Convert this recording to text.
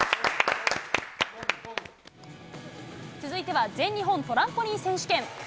続いては全日本トランポリン選手権。